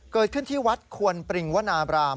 เกิดขึ้นที่วัดควรปริงวนาบราม